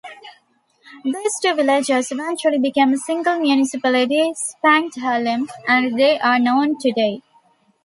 These two villages eventually became a single municipality Spangdahlem as they are known today.